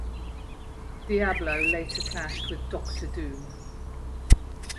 Diablo later clashed with Doctor Doom.